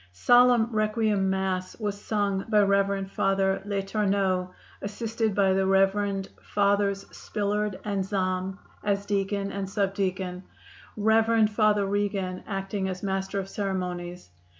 Solemn Requiem Mass was sung by Rev. Father L'Etourneau, assisted by the Rev. Fathers Spillard and Zahm as deacon and subdeacon; Rev. Father Regan, acting as master of ceremonies.